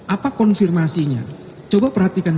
apa konfirmasinya coba perhatikan